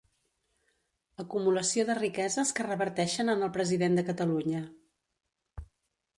Acumulació de riqueses que reverteixen en el president de Catalunya.